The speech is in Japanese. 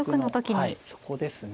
はいそこですね。